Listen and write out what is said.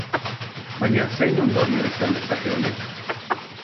Baina zein ondorio izan dezake honek?